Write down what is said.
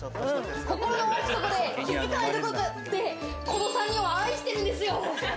心の奥底で気づかないところでこの３人を愛してるんですよ。